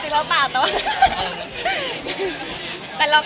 ก็เลยเอาข้าวเหนียวมะม่วงมาปากเทียน